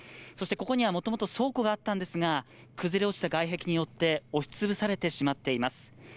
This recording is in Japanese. そしてここにはもともと倉庫があったんですが崩れ落ちた外壁によって押し潰されてしまっています。